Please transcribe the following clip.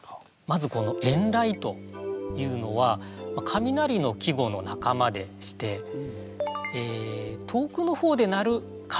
まずこの「遠雷」というのは雷の季語の仲間でして遠くのほうで鳴る雷のことなんですね。